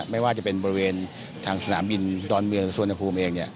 ไม่ว่าจะเป็นบริเวณทางสนามบินดอนเมืองสุวรรณภูมิเอง